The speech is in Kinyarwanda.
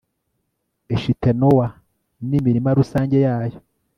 eshitenowa n'imirima rusange yayo